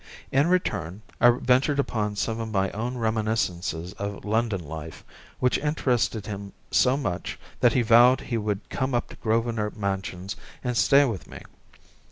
In return, I ventured upon some of my own reminiscences of London life, which interested him so much, that he vowed he would come up to Grosvenor Mansions and stay with me.